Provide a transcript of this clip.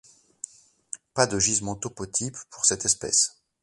Pas de gisement topotype pour cette espèce.